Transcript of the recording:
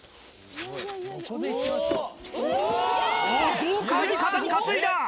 豪快に肩に担いだ！